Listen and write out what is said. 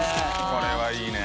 これはいいね。